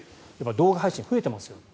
動画配信、増えていますよと。